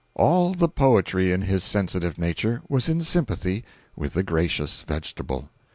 All the poetry in his sensitive nature was in sympathy with the gracious vegetable.